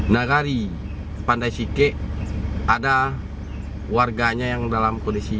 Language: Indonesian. nagari pandai sike ada warganya yang dalam kondisi